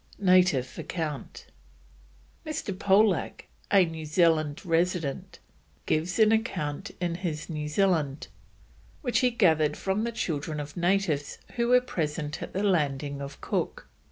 NATIVE ACCOUNT. Mr. Polack, a New Zealand resident, gives an account in his New Zealand, which he gathered from the children of natives who were present at the landing of Cook.